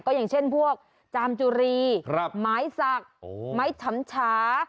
ก็อย่างเช่นพวกจามจุรีไม้สักไม้ฉ่ำชา